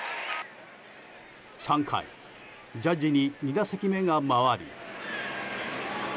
３回ジャッジに２打席目が回り。